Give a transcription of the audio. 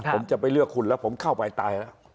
ผมจะไปเลือกคุณแล้วผมเข้าไปตายแล้ว